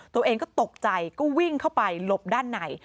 ตัวเองก็ตกใจก็วิ่งเข้าไปหลบด้านใน